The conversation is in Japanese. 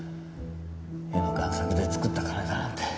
絵の贋作で作った金だなんて。